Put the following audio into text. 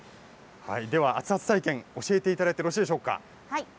熱々体験、教えていただいてよろしいでしょうか。